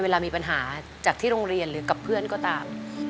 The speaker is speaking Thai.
เวลามีปัญหาจากที่โรงเรียนหรือกับเพื่อนก็ตาม